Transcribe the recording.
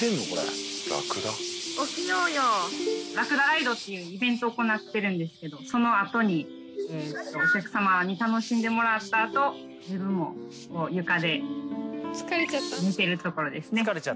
ラクダライドっていうイベントを行ってるんですけどそのあとにお客様に楽しんでもらったあと自分も床で寝てるところですね。